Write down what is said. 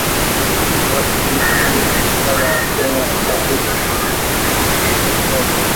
Adhabu hiyo itafanya wakenya kuogopa kujihusisha na ufisadi